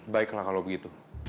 baiklah kalau begitu